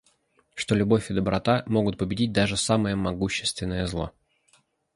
что любовь и доброта могут победить даже самое могущественное зло.